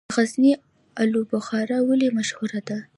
د غزني الو بخارا ولې مشهوره ده؟